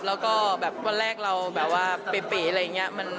แล้วก็แบบวันแรกเราแบบว่าเป๋อะไรอย่างนี้